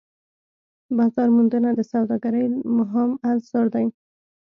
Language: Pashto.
بازارموندنه د سوداګرۍ مهم عنصر دی.